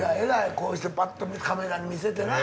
こうしてパッとカメラに見せてな。